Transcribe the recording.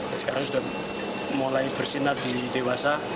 dan sekarang sudah mulai bersinar di dewasa